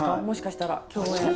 もしかしたら共演。